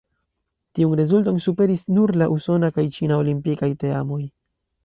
Tiun rezulton superis nur la usona kaj ĉina olimpikaj teamoj.